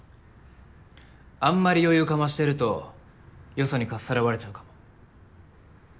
あんまり余裕かましてるとよそにかっさらわれちゃうかも。